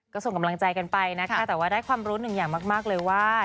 ก็ส่งกำลังใจกันไปนะคะแต่ว่าได้ความรู้หนึ่งอย่างมากเลยว่า